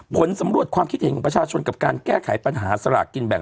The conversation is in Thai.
ผลสำรวจความคิดเห็นของประชาชนกับการแก้ไขปัญหาสลากกินแบ่ง